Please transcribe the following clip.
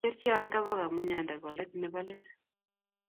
Kikerchi Ann Kabaka Munyanda kolit ne bo let .